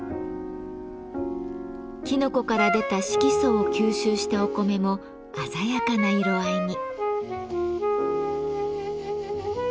きのこから出た色素を吸収したお米も鮮やかな色合いに。